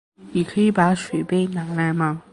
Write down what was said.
你可以把水杯拿来吗？